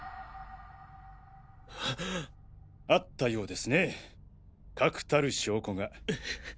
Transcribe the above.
あったようですね確たる証拠が。